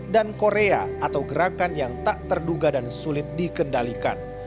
dan korea atau gerakan yang tak terduga dan sulit dikendalikan